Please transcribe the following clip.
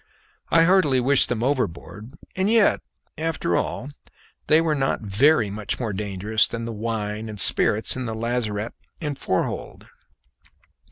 I heartily wished them overboard; and yet, after all, they were not very much more dangerous than the wine and spirits in the lazarette and fore hold.